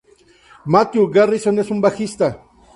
Matthew Garrison es un bajista.